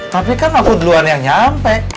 tapi kan aku duluan yang nyampe